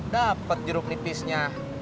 dapet jeruk nipisnya